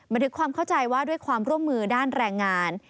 บันทึกความเข้าใจว่าด้วยความร่วมมือด้านแรงงาน